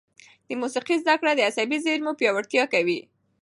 د موسیقي زده کړه د عصبي زېرمو پیاوړتیا کوي.